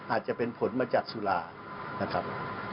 อาจจะเป็นผลมาจากสุรานะครับ